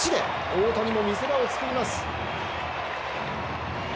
大谷も見せ場を作ります。